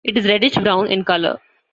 It is reddish-brown in color.